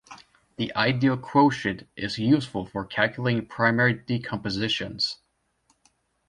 The ideal quotient is useful for calculating primary decompositions.